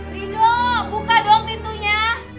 ridho buka dong pintunya